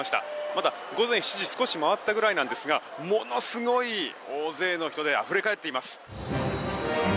まだ午前７時少し回ったぐらいなんですがものすごい大勢の人であふれ返っています。